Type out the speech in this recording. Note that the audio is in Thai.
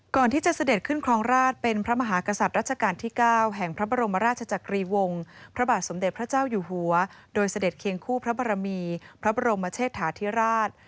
เสด็จขึ้นครองราชเป็นพระมหากษัตริย์รัชกาลที่๙แห่งพระบรมราชจักรีวงศ์พระบาทสมเด็จพระเจ้าอยู่หัวโดยเสด็จเคียงคู่พระบรมีพระบรมเชษฐาธิราช